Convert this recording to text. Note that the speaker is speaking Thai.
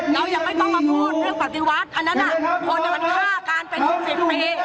เรายังไม่ต้องมาพูดเรื่องปฏิวัติอันนั้นคนมันฆ่ากันเป็น๑๐ปี